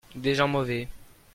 des gens mauvais.